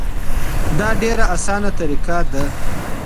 دا ډیره اسانه طریقه ده.